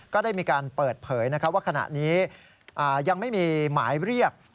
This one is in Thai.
ก็ได้มีการเปิดเผยว่าขณะนี้ยังไม่มีหมายเรียก